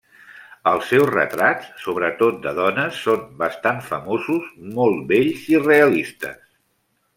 Els seus retrats, sobretot de dones, són bastant famosos, molt bells i realistes.